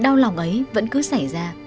đau lòng ấy vẫn cứ xảy ra